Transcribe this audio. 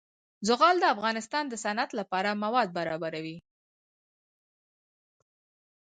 زغال د افغانستان د صنعت لپاره مواد برابروي.